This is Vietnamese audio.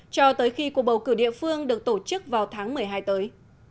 cho tới khi cuộc bầu cử địa phương được tổ chức vào tháng một mươi hai tới